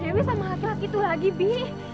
dewi sama aku gitu lagi bi